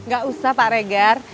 gak usah pak regar